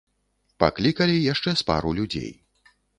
Паклікалі яшчэ з пару людзей.